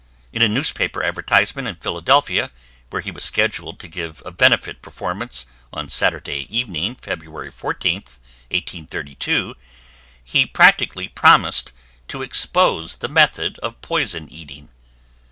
In a newspaper advertisement in Philadelphia, where he was scheduled to give a benefit performance on Saturday evening, February 4th, 1832, he practically promised to expose the method of poison eating.